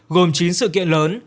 gồm chín sự kiện lớn